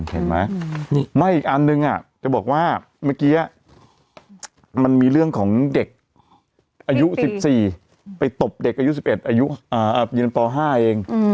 เห็นไหมไม่อีกอันนึงจะบอกว่าเมื่อกี้มันมีเรื่องของเด็กอายุ๑๔ไปตบเด็กอายุ๑๑อายุยืนป๕เอง